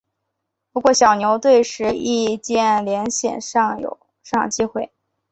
不过在小牛队时易建联鲜有上场机会。